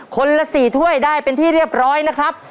คนละ๔ถ้วยได้เป็นที่เรียบร้อยนะครับ